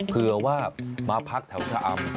เผื่อว่ามาพักแถวชะอำ